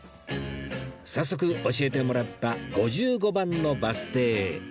早速教えてもらった５５番のバス停へ